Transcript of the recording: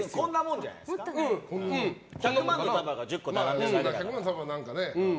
１００万の束が１０個並んでるだけだから。